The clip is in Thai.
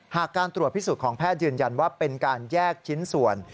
การตรวจพิสูจน์ของแพทย์ยืนยันว่าเป็นการแยกชิ้นส่วน